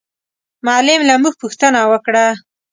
معلم له موږ پوښتنه وکړه.